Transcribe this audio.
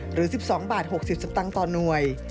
หรือ๑๒บาท๖๐สตางค์ต่อหน่วย